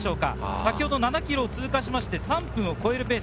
先ほど７キロを通過して３分を超えるペース。